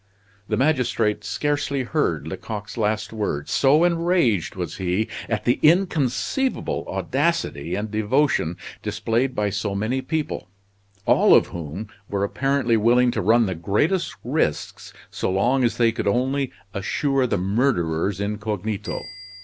The magistrate scarcely heard Lecoq's last words, so enraged was he at the inconceivable audacity and devotion displayed by so many people: all of whom were apparently willing to run the greatest risks so long as they could only assure the murderer's incognito.